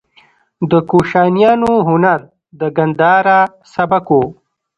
د کوشانیانو هنر د ګندهارا سبک و